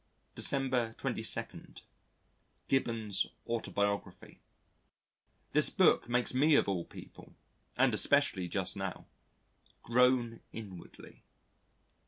December 22. Gibbon's Autobiography This book makes me of all people (and especially just now) groan inwardly.